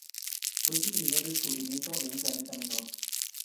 Fue su primer descubrimiento de un planeta menor.